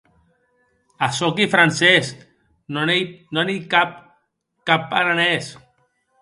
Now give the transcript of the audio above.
Pour en revenir a vos dames, on les dit bien belles.